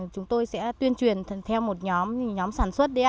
chúng tôi sẽ tuyên truyền theo một nhóm sản xuất đấy ạ